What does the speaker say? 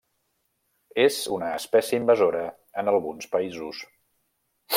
És una espècie invasora en alguns països.